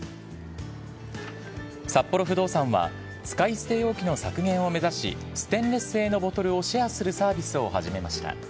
サッポロ不動産は、使い捨て容器の削減を目指し、ステンレス製のボトルをシェアするサービスを始めました。